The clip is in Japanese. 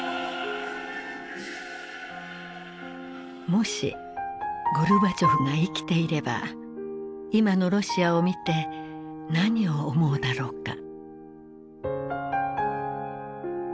もしゴルバチョフが生きていれば今のロシアを見て何を思うだろうか。